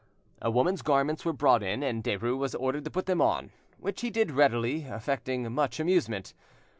A woman's garments were brought in, and Derues was ordered to put them on, which he did readily, affecting much amusement.